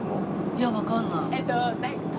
いやわかんない。